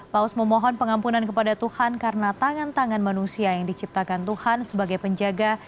paus memohon pengampunan kepada tuhan karena tangan tangan manusia yang diciptakan tuhan sebagai penjaga